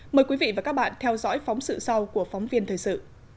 mời quý vị và các bạn theo dõi phóng sự sau của phóng viên thời sự